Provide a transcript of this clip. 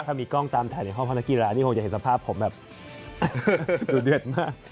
ถ้ามีกล้องตามถ่ายในห้องพระนักกีฬานี่คงจะเห็นสภาพผมแบบดูเดือดมาก